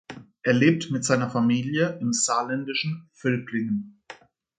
Er lebt mit seiner Familie im saarländischen Völklingen.